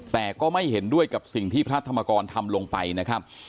แต่ก็ไม่เห็นด้วยกับสิ่งที่พระธรรมกรทำลงไปนะครับ